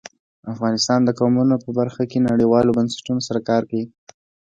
افغانستان د قومونه په برخه کې نړیوالو بنسټونو سره کار کوي.